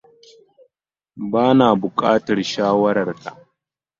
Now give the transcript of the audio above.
Bana buƙatar shawarar ka.